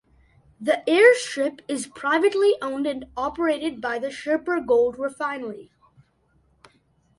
The airstrip is privately owned and operated by the Shirpur Gold Refinery.